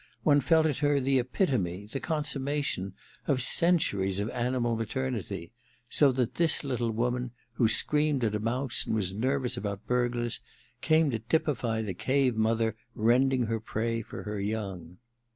One felt in her the epitome, the consummation, of centuries of animal maternity, so that this little woman, who screamed at a mouse and was nervous about burglars, came to typify the cave mother rending 'her prey for her young.